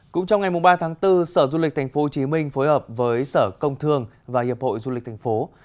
cũng trong ngày ba tháng bốn sở du lịch tp hcm phối hợp với sở công thương và hiệp hội du lịch thành phố